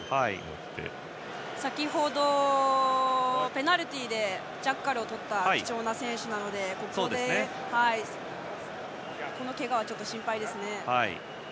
先程、ペナルティーでジャッカルをとった貴重な選手なのでこのけがは心配ですね。